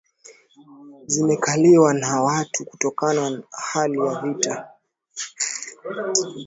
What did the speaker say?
zimekaliwa na watu Kutokanana hali ya vita